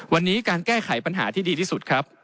วันนี้การแก้ไขปัญหาที่ดีที่สุดครับ